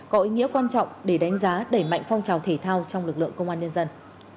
có ý nghĩa quan trọng để đánh giá đẩy mạnh phong trào thể thao trong lực lượng công an nhân dân